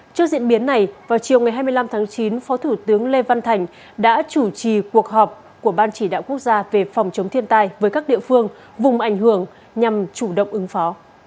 trước diễn biến này vào chiều ngày hai mươi năm tháng chín phó thủ tướng lê văn thành đã chủ trì cuộc họp của ban chỉ đạo quốc gia về phòng chống thiên tai với các địa phương vùng ảnh hưởng nhằm chủ động ứng phó